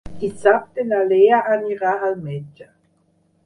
Dissabte na Lea anirà al metge.